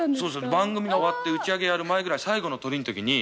番組が終わって打ち上げやる前最後のトリの時に。